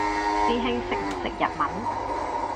師兄識唔識日文？